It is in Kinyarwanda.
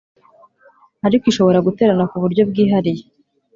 Ariko ishobora guterana ku buryobwihariye